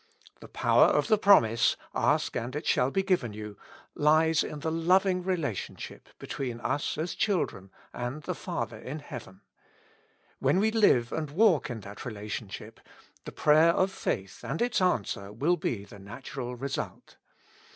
The power of the promise, "Ask, and it shall be given you," lies in the loving relation ship between us as children and the Father in hea ven ; when we live and walk in that relationship, the prayer of faith and its answer will be the natural result.